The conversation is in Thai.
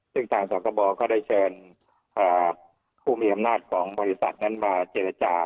ซึ่งทางสคบก็ได้เชิญผู้มีอำนาจของบริษัทนั้นมาเจรจา